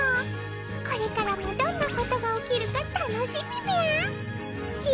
これからもどんなことが起きるか楽しみみゃ。